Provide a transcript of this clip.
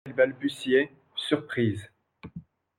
Elle balbutiait, surprise.